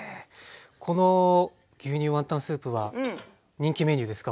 この牛乳ワンタンスープは人気メニューですか？